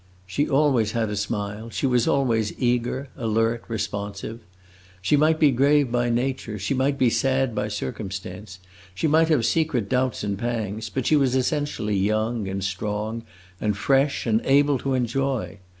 She always had a smile, she was always eager, alert, responsive. She might be grave by nature, she might be sad by circumstance, she might have secret doubts and pangs, but she was essentially young and strong and fresh and able to enjoy.